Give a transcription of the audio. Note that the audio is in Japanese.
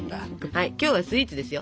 はい今日はスイーツですよ。